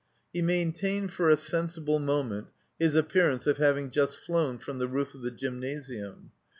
He maintained for a sensible moment his appear ance of having just flown from the roof of the Gymnasium.